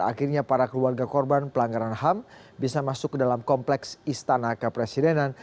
akhirnya para keluarga korban pelanggaran ham bisa masuk ke dalam kompleks istana kepresidenan